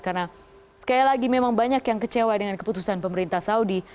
karena sekali lagi memang banyak yang kecewa dengan keputusan pemerintah saudi